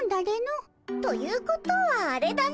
ということはあれだね。